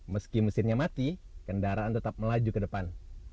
meski mesinnya mati kendaraan tetap melaju ke depan